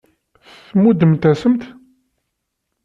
Tmuddemt-asent-tent.